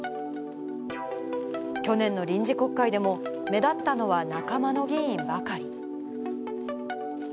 去年の臨時国会でも、目立ったのは仲間の議員ばかり。